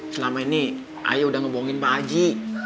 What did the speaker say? selama ini ayah udah ngebohongin pak haji